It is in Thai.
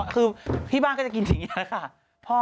คือพี่บ้านก็จะกินอย่างนี้ค่ะ